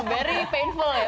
very painful ya